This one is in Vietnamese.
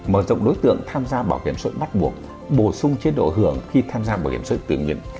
mở rộng đối tượng tham gia bảo hiểm xã hội bắt buộc bổ sung chế độ hưởng khi tham gia bảo hiểm xã hội tự nguyện